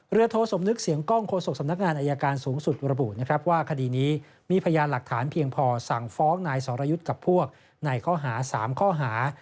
โทสมนึกเสียงกล้องโฆษกสำนักงานอายการสูงสุดระบุนะครับว่าคดีนี้มีพยานหลักฐานเพียงพอสั่งฟ้องนายสรยุทธ์กับพวกในข้อหา๓ข้อหา